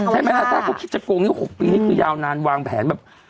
ใช่ไหมอาต้าเขาคิดจะโกงนิ้ว๖ปีนี่คือยาวนานวางแผนแบบ